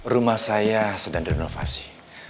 rumah saya sedang renovasi